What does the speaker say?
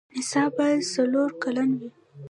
نصاب باید څلور کلن وي.